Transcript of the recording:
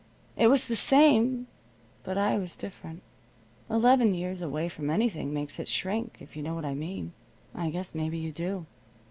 It was the same, but I was different. Eleven years away from anything makes it shrink, if you know what I mean. I guess maybe you do.